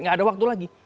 nggak ada waktu lagi